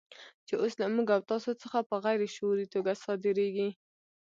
چې اوس له موږ او تاسو څخه په غیر شعوري توګه صادرېږي.